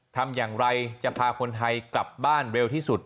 ทำอย่างไรจะพาคนไทยกลับบ้านเร็วที่สุด